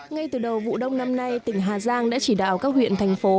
ngay từ đầu vụ đông năm nay tỉnh hà giang đã chỉ đạo các huyện thành phố